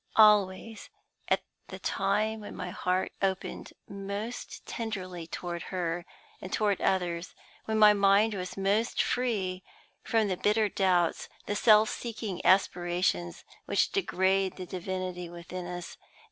Always at the time when my heart opened most tenderly toward her and toward others when my mind was most free from the bitter doubts, the self seeking aspirations, which degrade the divinity within us.